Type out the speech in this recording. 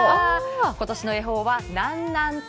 今年の恵方は南南東。